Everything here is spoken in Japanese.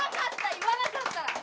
言わなかった。